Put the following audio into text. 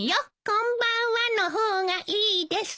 「こんばんは」の方がいいです。